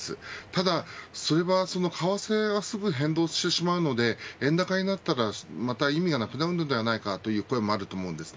ただ、それは為替はすぐに変動してしまうので円高になったらまた意味がなくなるのではないかという声もあると思うんです。